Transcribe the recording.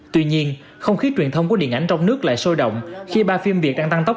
tuy nhiên không khí truyền thông của điện ảnh trong nước lại sôi động khi ba phim việt đang tăng tốc